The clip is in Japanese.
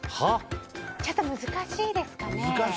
ちょっと難しいですかね。